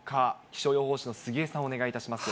気象予報士の杉江さん、お願いい